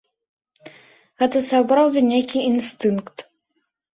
Гэта сапраўды нейкі інстынкт.